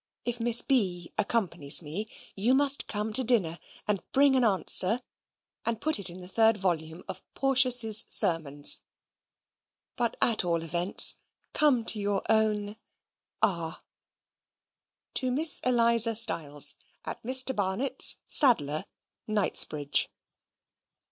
If Miss B. accompanies me, you must come to dinner, and bring an answer, and put it in the third volume of Porteus's Sermons. But, at all events, come to your own R. To Miss Eliza Styles, At Mr. Barnet's, Saddler, Knightsbridge.